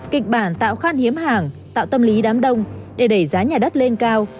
kịch bản tạo khan hiếm hàng tạo tâm lý đám đông để đẩy giá nhà đất lên cao